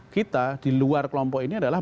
kita diluar kelompok ini adalah